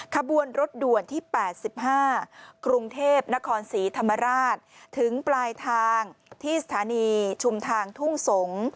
ขบวนรถด่วนที่๘๕กรุงเทพนครศรีธรรมราชถึงปลายทางที่สถานีชุมทางทุ่งสงศ์